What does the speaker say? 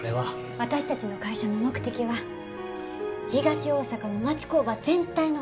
私たちの会社の目的は東大阪の町工場全体の活性化です。